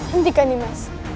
hentikan nih mas